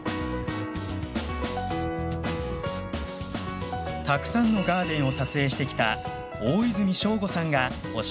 たくさんのガーデンを撮影してきた大泉省吾さんが教えてくれます。